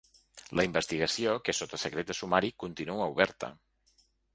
La investigació, que és sota secret de sumari, continua oberta.